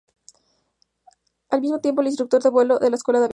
Al mismo tiempo es instructor de vuelo en la Escuela de Aviación.